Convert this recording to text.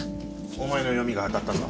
お前の読みが当たったぞ。